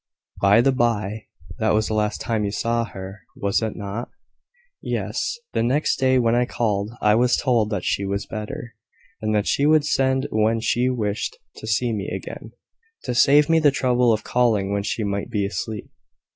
"By the by, that was the last time you saw her was it not?" "Yes; the next day when I called I was told that she was better, and that she would send when she wished to see me again, to save me the trouble of calling when she might be asleep."